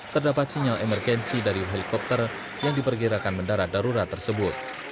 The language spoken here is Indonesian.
terdapat sinyal emergensi dari helikopter yang diperkirakan mendarat darurat tersebut